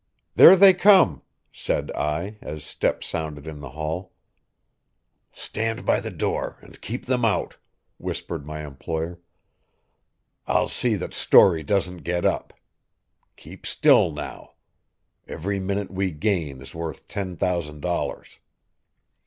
"There they come," said I, as steps sounded in the hall. "Stand by the door and keep them out," whispered my employer. "I'll see that Storey doesn't get up. Keep still now. Every minute we gain is worth ten thousand dollars."